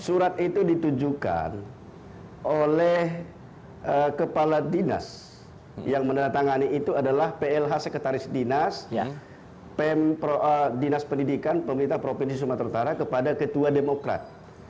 surat itu ditujukan oleh kepala dinas yang menandatangani itu adalah plh sekretaris dinas dinas pendidikan pemerintah provinsi sumatera utara kepada ketua demokrat